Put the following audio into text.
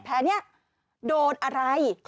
แผลนี้โดนอะไร